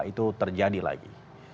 itu terjadi lagi